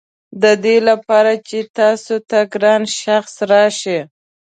ددې لپاره چې تاسو ته ګران شخص راشي.